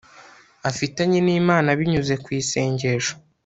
afitanye n'imana binyuze ku isengesho